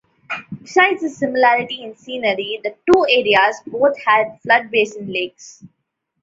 Besides the similarity in scenery, the two areas both had flood-basin lakes.